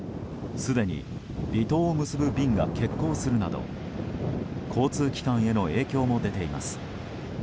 すでに離島を結ぶ便が欠航するなど交通機関への影響も出ています。